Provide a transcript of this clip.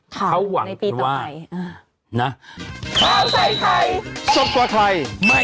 โปรดติดตามตอนต่อไป